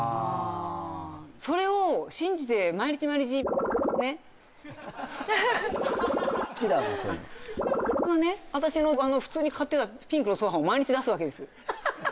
それを信じて、毎日毎日私の普通に買ってたピンクのソファーを毎日、出すわけですよ。